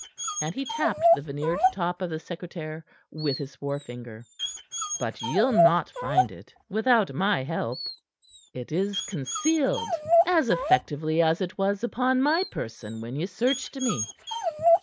And he tapped the veneered top of the secretaire with his forefinger. "But ye'll not find it without my help. It is concealed as effectively as effectively as it was upon my person when ye searched me.